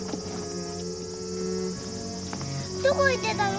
どこ行ってたの？